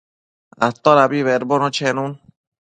Todabi bedbono chenun